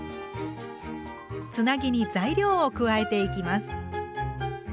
つなぎに材料を加えていきます。